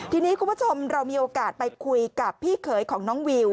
ทีนี้คุณผู้ชมเรามีโอกาสไปคุยกับพี่เขยของน้องวิว